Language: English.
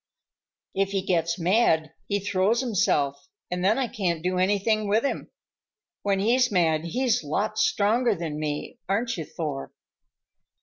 "If he gets mad he throws himself, and then I can't do anything with him. When he's mad he's lots stronger than me, aren't you, Thor?"